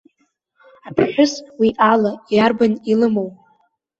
Аԥҳәыс уи ала иарбан илымоу.